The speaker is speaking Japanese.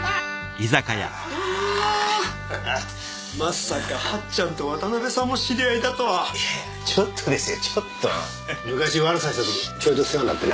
あぁまさか八っちゃんと渡辺さんも知り合いだとはいやいやちょっとですよちょっと昔悪さした時ちょいと世話になってな